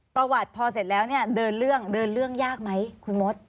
ประวัติพอเสร็จแล้วเนี่ยเดินเรื่องยากไหมคุณมศ